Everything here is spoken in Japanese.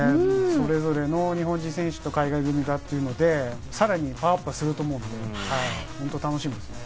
それぞれの日本人選手と海外組がというので、さらにパワーアップすると思うのでね、本当楽しみですね。